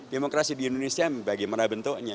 demokrasi di indonesia bagaimana bentuknya